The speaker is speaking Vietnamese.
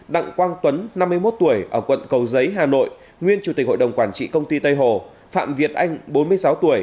đặng quang tuấn năm mươi một tuổi ở quận cầu giấy hà nội nguyên chủ tịch hội đồng quản trị công ty tây hồ phạm việt anh bốn mươi sáu tuổi